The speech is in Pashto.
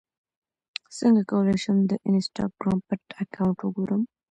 څنګه کولی شم د انسټاګرام پټ اکاونټ وګورم